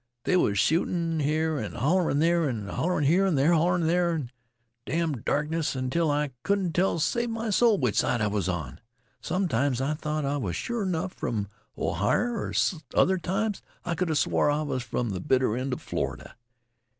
There was shootin' here an' shootin' there, an' hollerin' here an' hollerin' there, in th' damn' darkness, until I couldn't tell t' save m' soul which side I was on. Sometimes I thought I was sure 'nough from Ohier, an' other times I could 'a swore I was from th' bitter end of Florida.